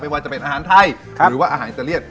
ว่าจะเป็นอาหารไทยหรือว่าอาหารอิตาเลียน